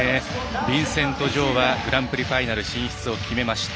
ビンセント・ジョウはグランプリファイナル進出を決めました。